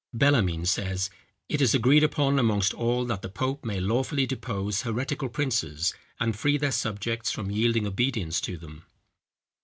Bellarmine says, "It is agreed upon amongst all, that the pope may lawfully depose heretical princes and free their subjects from yielding obedience to them."